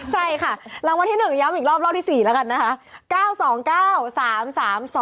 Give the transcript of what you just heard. ใช่ค่ะรางวัลที่๑ย้ำอีกรอบรอบที่๔แล้วกันนะคะ